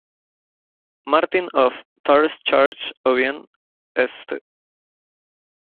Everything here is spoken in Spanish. Martin of Tours Church" o bien "St.